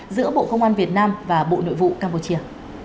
giữa bộ công an việt nam và bộ nội vụ campuchia